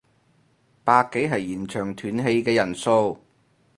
百幾係現場斷氣嘅人數